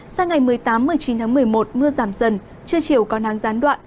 sang ngày một mươi tám một mươi chín tháng một mươi một mưa giảm dần trưa chiều có nắng gián đoạn